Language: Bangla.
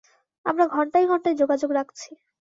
আমরা ঘন্টায় ঘন্টায় যোগাযোগ রাখছি।